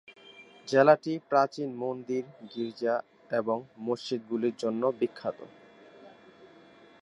জেলাটি প্রাচীন মন্দির, গীর্জা এবং মসজিদগুলির জন্য বিখ্যাত।